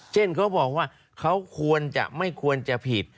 เช่นเขาบอกว่าเขาควรจะไม่ควรจะผิด